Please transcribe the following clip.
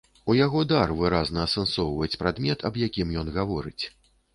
У яго дар выразна асэнсоўваць прадмет, аб якім ён гаворыць.